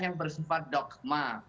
yang bersifat dogma